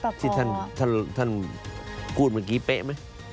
อันนี้มันที่ท่านพูดเมื่อกี้เป๊ะไหม